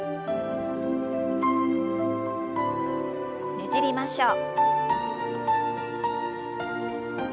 ねじりましょう。